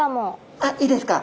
あっいいですか？